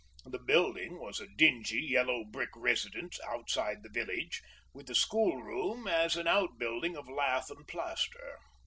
The building was a dingy yellow brick residence outside the village, with the schoolroom as an outbuilding of lath and plaster.